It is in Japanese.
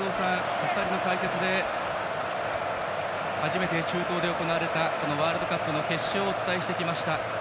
お二人の解説で初めて中東で行われたこのワールドカップの決勝をお伝えしてきました。